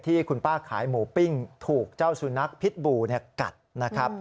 ที่คุณป้าขายหมูปิ้งถูกเจ้าสุนัขพิษบูกัดนะครับ